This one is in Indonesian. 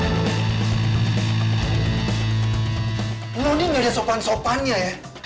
lo ini gak ada sopan sopannya ya